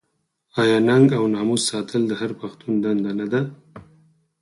آیا ننګ او ناموس ساتل د هر پښتون دنده نه ده؟